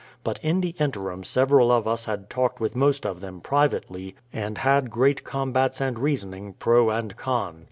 But in the interim several of us had talked with most of them privately, and had great combats and reasoning, pro and con.